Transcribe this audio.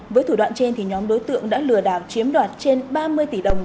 với thủ đoạn trên nhóm đối tượng đã lừa đảo chiếm đoạt trên ba mươi tỷ đồng